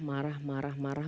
marah marah marah